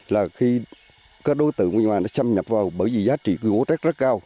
là khi các đối tượng ngoài nó xâm nhập vào bởi vì giá trị gỗ trách rất cao